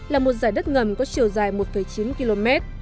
là một giải đất ngầm có chiều dài một chín km